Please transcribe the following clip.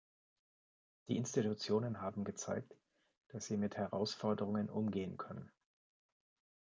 Die Institutionen haben gezeigt, dass sie mit Herausforderungen umgehen können.